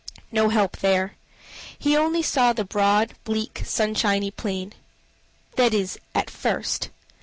No help there. He only saw the broad, bleak, sunshiny plain that is, at first.